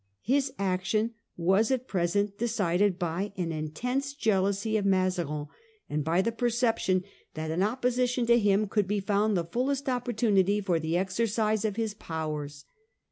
His action was at present decided by an intense jealousy of Mazarin, and by the perception that in opposition to him 3 6 The Parliamentary Fronde . 1648. could be found the fullest opportunity for the exercise of his powers.